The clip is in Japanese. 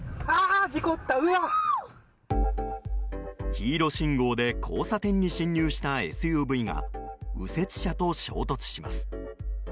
黄色信号で交差点に進入したＳＵＶが右折車と衝突します。